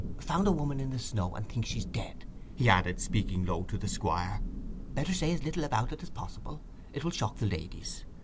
Found a woman in the snow—and thinks she's dead," he added, speaking low to the Squire. "Better say as little about it as possible: it will shock the ladies.